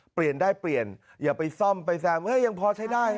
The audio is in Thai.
เปลี่ยนได้เปลี่ยนอย่าไปซ่อมไปแซมยังพอใช้ได้